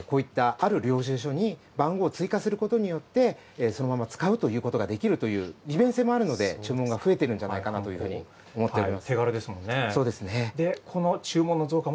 恐らく、紙資源を大切にしようという考え方の人が多くて、こういった、ある領収書に番号を追加することによって、そのまま使うということができるという利便性もあるので、注文が増えているんじゃないかなというふうに思っています。